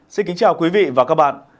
xin kính chào quý vị và các bạn